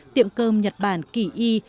tiệm cơm nhật bản kỳ y